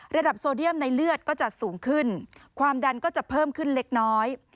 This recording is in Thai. โซเดียมในเลือดก็จะสูงขึ้นความดันก็จะเพิ่มขึ้นเล็กน้อย